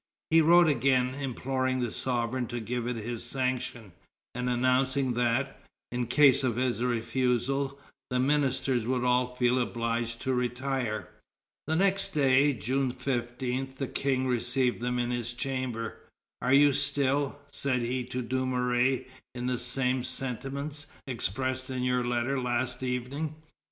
He wrote again, imploring the sovereign to give it his sanction, and announcing that, in case of his refusal, the ministers would all feel obliged to retire. The next day, June 15, the King received them in his chamber. "Are you still," said he to Dumouriez, "in the same sentiments expressed in your letter last evening?"